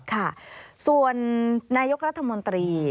ค่ะส่วนนายกรัฐมนตรี